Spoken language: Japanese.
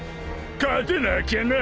勝てなきゃな。